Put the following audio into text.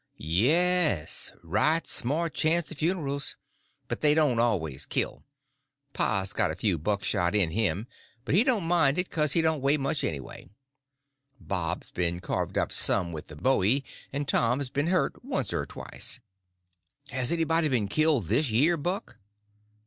"Yes; right smart chance of funerals. But they don't always kill. Pa's got a few buckshot in him; but he don't mind it 'cuz he don't weigh much, anyway. Bob's been carved up some with a bowie, and Tom's been hurt once or twice." "Has anybody been killed this year, Buck?"